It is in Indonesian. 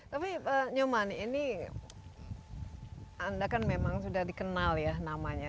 tapi nyoman ini anda kan memang sudah dikenal ya namanya